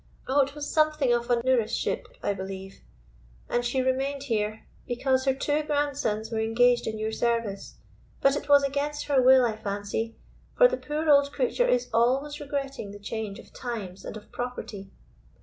"Oh, it was something of a nouriceship, I believe; and she remained here, because her two grandsons were engaged in your service. But it was against her will, I fancy; for the poor old creature is always regretting the change of times and of property."